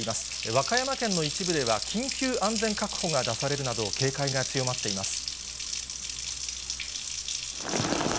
和歌山県の一部では、緊急安全確保が出されるなど、警戒が強まっています。